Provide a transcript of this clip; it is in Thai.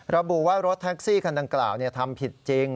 ระบุว่ารถแท็กซี่คันดังกล่าวทำผิดจริง